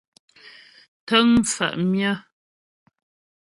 Ntə́ŋ mfá' myə́.